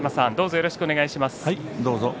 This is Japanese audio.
よろしくお願いします。